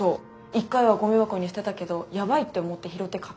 一回はゴミ箱に捨てたけどやばいって思って拾って隠してたんですよ